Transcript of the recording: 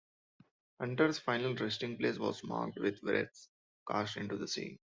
"Hunter"s final resting place was marked with wreaths cast into the sea.